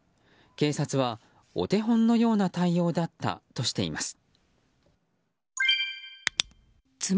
警察は、お手本のような対応だったとしています。